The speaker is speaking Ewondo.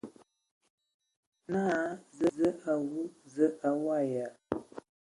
Naa: Zǝə a wu! Zǝə a waag ya ?